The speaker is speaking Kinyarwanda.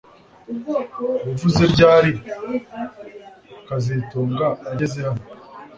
Wavuze ryari kazitunga ageze hano